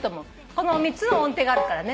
この３つの音程があるからね。